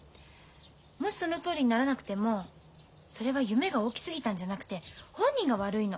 もしそのとおりにならなくてもそれは夢が大きすぎたんじゃなくて本人が悪いの。